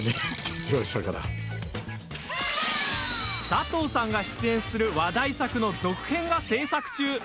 佐藤さんが出演する話題作の続編が制作中。